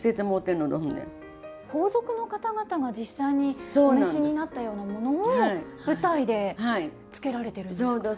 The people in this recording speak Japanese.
皇族の方々が実際にお召しになったようなものを舞台で着けられてるんですか？